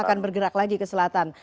akan bergerak lagi ke selatan